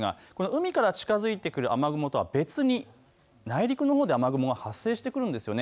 海から近づいてくる雨雲とは別に内陸のほうで雨雲が発生してくるんです。